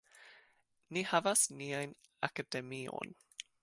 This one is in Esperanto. Ni havas nian Akademion.